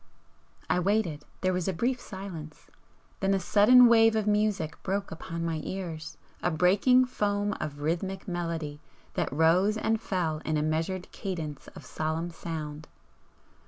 I waited, there was a brief silence. Then a sudden wave of music broke upon my ears, a breaking foam of rhythmic melody that rose and fell in a measured cadence of solemn sound.